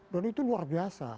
dan itu luar biasa